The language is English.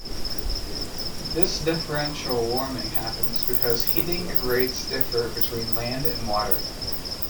This differential warming happens because heating rates differ between land and water.